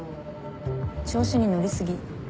調子に乗り過ぎ。